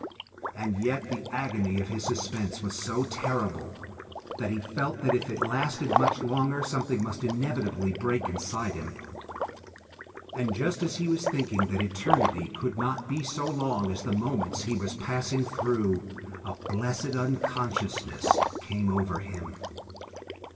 And yet the agony of this suspense was so terrible that he felt that if it lasted much longer something must inevitably break inside him ... and just as he was thinking that eternity could not be so long as the moments he was passing through, a blessed unconsciousness came over him.